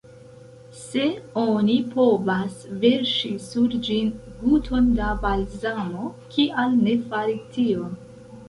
Se oni povas verŝi sur ĝin guton da balzamo, kial ne fari tion?